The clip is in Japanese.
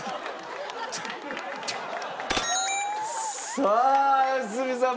さあ良純さん